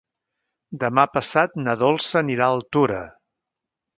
Demà passat na Dolça anirà a Altura.